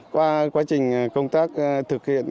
qua quá trình công tác thực hiện